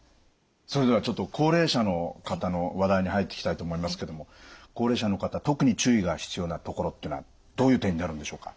それではちょっと高齢者の方の話題に入っていきたいと思いますけども高齢者の方特に注意が必要なところっていうのはどういう点になるんでしょうか？